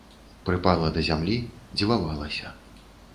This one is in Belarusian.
Прыпала да зямлі, дзівавалася.